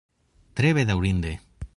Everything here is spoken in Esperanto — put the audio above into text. Tre bedaŭrinde.